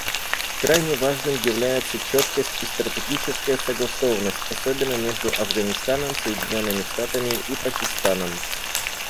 Крайне важными являются четкость и стратегическая согласованность, особенно между Афганистаном, Соединенными Штатами и Пакистаном.